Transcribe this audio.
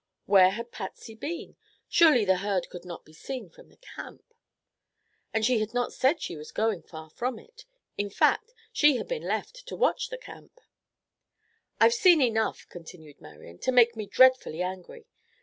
Where had Patsy been? Surely the herd could not be seen from the camp, and she had not said she was going far from it; in fact, she had been left to watch camp. "I've seen enough," continued Marian, "to make me dreadfully angry.